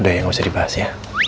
udah ya gak usah dibahas ya